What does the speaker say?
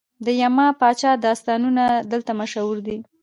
د یما پاچا داستانونه دلته مشهور دي